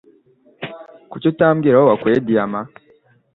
Kuki utambwira aho wakuye diyama?